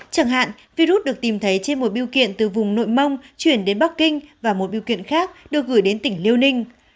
chẳng hạn virus được tìm thấy trên một biêu kiện từ vùng nội mông chuyển đến bắc kinh và một biêu kiện khác được gửi đến tỉnh liêu ninh